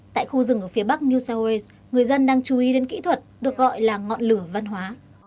tại khu rừng ở phía bắc new south wales người dân đang chú ý đến kỹ thuật được gọi là ngọn lửa văn hóa